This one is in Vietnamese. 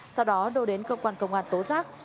sau đó đô đến cơ quan công an tố giác